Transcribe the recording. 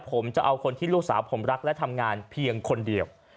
ผมจะเอาคนที่ลูกสาวผมรักและทำงานเพียงคนเดียว